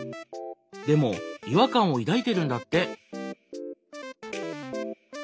でも違和感を抱いてるんだって。